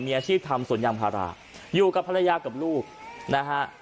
มีอาชีพทำสวนยางพาราอยู่กับภรรยากับลูกนะฮะ